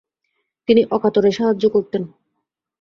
তিনি অকাতরে সাহায্য করতেন।